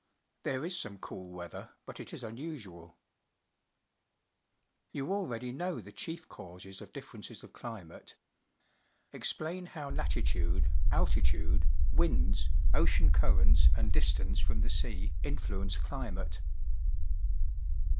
There is some cool weather, but it is unusual. You already know the chief causes of An Elk approaching to attack another Elk differences of climate. Explain how latitude, altit ude, winds, ocean currents, and distance from the sea influence climate.